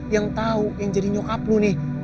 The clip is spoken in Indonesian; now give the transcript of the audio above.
yang tahu yang jadi nyokap lo nih